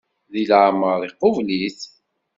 Deg leɛmer iqubel-it.